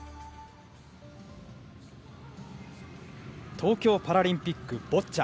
東京パラリンピックボッチャ。